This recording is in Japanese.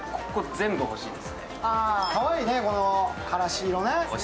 かわいいね、このからし色ね。